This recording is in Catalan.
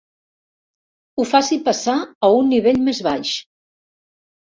Ho faci passar a un nivell més baix.